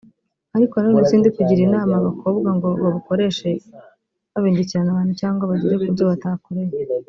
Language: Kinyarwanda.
Ariko nanone sindi kugira inama abakobwa ngo babukoreshe babindikiranya abantu cyangwa bagera ku byo batakoreye